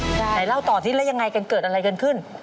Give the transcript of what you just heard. ไหนเล่าต่อที่แล้วยังไงกันเกิดอะไรกันขึ้น